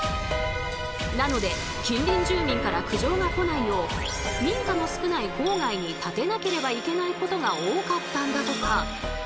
なので近隣住民から苦情が来ないよう民家の少ない郊外に建てなければいけないことが多かったんだとか。